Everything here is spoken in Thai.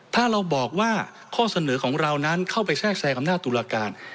ถ้าเราบอกว่าข้อเสนอของเรานั้นเข้าไปแทรกแทรงอำนาจตุลาการ